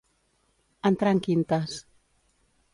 Entrar en quintes.